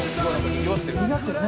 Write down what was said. にぎわってるね。